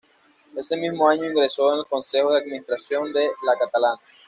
Ese mismo año ingresó en el consejo de administración de "la Catalana".